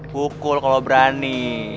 kukul kalau berani